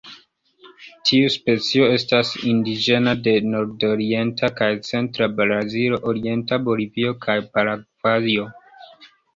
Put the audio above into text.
Tiu specio estas indiĝena de nordorienta kaj centra Brazilo, orienta Bolivio kaj Paragvajo.